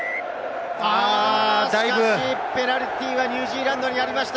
しかしペナルティーはニュージーランドにありました。